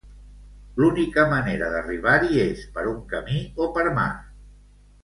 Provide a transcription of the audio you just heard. L'única manera d'arribar-hi és per un camí o per mar.